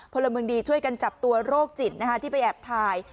พลเมืองดีช่วยกันจับตัวโรคจิตที่ไปแอบถ่าย